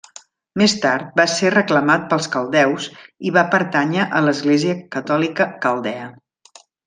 Més tard va ser reclamat pels caldeus i va pertànyer a l'Església Catòlica Caldea.